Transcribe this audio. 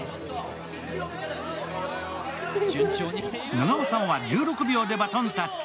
長尾さんは１６秒でバトンタッチ。